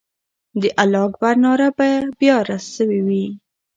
د الله اکبر ناره به بیا سوې وي.